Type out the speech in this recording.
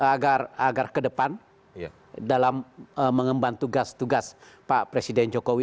agar ke depan dalam mengemban tugas tugas pak presiden jokowi